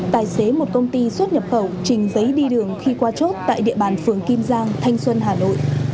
tài xế một công ty xuất nhập khẩu trình giấy đi đường khi qua chốt tại địa bàn phường kim giang thanh xuân hà nội